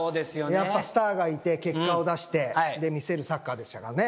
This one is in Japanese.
やっぱスターがいて結果を出して見せるサッカーでしたからね。